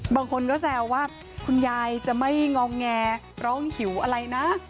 บางคนก็แซวว่าคุณยายจะไม่งองแงร้องหิวอะไรนะ